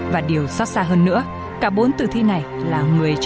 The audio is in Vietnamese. và điều xót xa hơn nữa cả bốn tử thi này là người